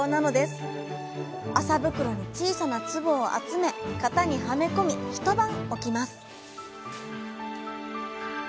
麻袋に小さな粒を集め型にはめ込み一晩置きます